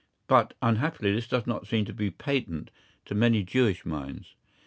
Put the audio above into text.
But unhappily this does not seem to be patent to many Jewish minds.